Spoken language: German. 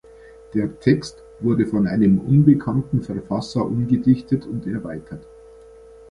Der Text wurde von einem unbekannten Verfasser umgedichtet und erweitert.